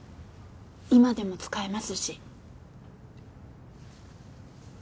今でも使えますし。